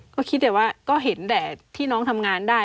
ก็คิดแต่ว่าก็เห็นแต่ที่น้องทำงานได้